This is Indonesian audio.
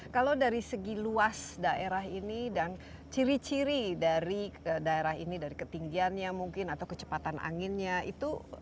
kalau dari segi luas daerah ini dan ciri ciri dari daerah ini dari ketinggiannya mungkin atau kecepatan anginnya itu